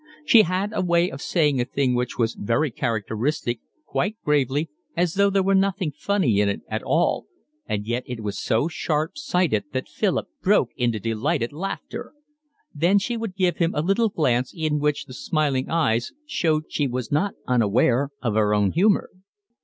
She had a way of saying a thing which was very characteristic, quite gravely, as though there were nothing funny in it at all, and yet it was so sharp sighted that Philip broke into delighted laughter. Then she would give him a little glance in which the smiling eyes showed she was not unaware of her own humour.